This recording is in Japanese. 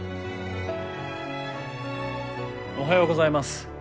おはようございます。